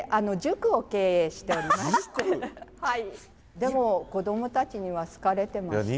でも子どもたちには好かれてまして。